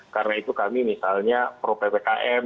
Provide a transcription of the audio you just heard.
karena itu kami misalnya pro ppkm